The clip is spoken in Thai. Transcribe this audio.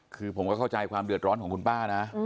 คือผมก็เข้าใจความเดือดร้อนของคุณป้านะ